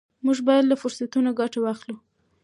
موږ باید له فرصتونو ګټه واخلو.